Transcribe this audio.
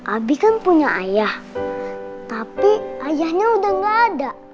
albi kan punya ayah tapi ayahnya udah gak ada